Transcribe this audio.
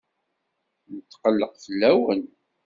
Netqelleq fell-awen.